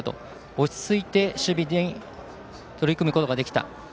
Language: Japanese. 落ち着いて守備に取り組むことができた。